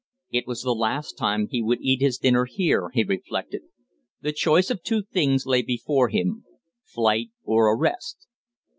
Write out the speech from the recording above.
It was the last time he would eat his dinner there, he reflected. The choice of two things lay before him flight, or arrest.